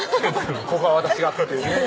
「ここは私が」っていうね